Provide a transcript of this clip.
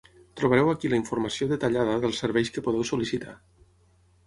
Trobareu aquí la informació detallada dels serveis que podeu sol·licitar.